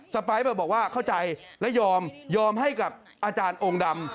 ไปบอกว่าเข้าใจและยอมยอมให้กับอาจารย์องค์ดำ